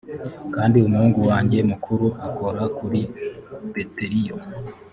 kandi umuhungu wanjye mukuru akora kuri beteliyo